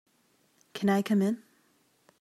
Can I come in?